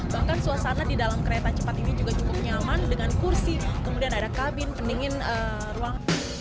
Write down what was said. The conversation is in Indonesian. bahkan suasana di dalam kereta cepat ini juga cukup nyaman dengan kursi kemudian ada kabin pendingin ruang